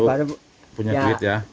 baru punya duit ya